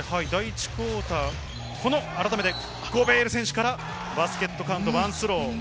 第１クオーター、ゴベール選手からバスケットカウント、ワンスロー。